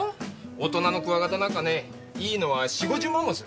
大人のクワガタなんかねいいのは４０５０万もする。